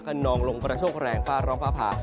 นองลมกระโชคแรงฟ้าร้องฟ้าผ่า